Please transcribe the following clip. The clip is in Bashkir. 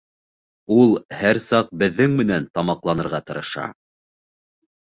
Ул һәр саҡ беҙҙең менән тамаҡланырға тырыша.